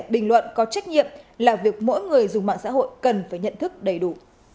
bình luận có trách nhiệm là việc mỗi người dùng mạng xã hội cần phải nhận thức đầy đủ